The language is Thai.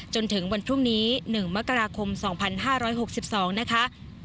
จนถึงวันพรุ่งนี้๑มกราคม๒๕๖๒นะคะ